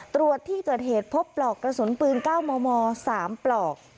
ตรวจที่เกิดเหตุพบปลอกกระสุนปืนเก้าหมอสามปลอก